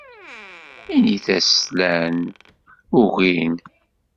Init-as slan, ugin.